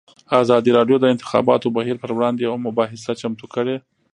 ازادي راډیو د د انتخاباتو بهیر پر وړاندې یوه مباحثه چمتو کړې.